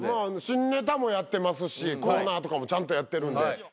新ネタもやってますしコーナーとかもちゃんとやってるんで。